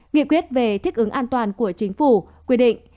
nghị quyết về thích ứng an toàn của chính phủ quy định